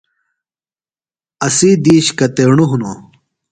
اسی دِیش کتیݨوۡ ہِنوۡ؟